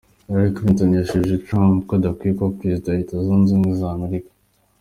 Hillary Clinton yashubije Trump ko adakwiye kuba Perezida wa Leta Zunze Ubumwe za Amerika.